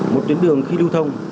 một tuyến đường khi lưu thông